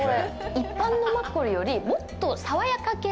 一般のマッコリより、もっとさわやか系。